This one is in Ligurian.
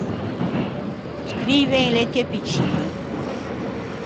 Scrive in lettie picciñe.